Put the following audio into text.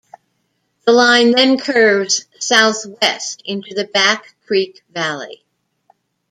The line then curves southwest into the Back Creek valley.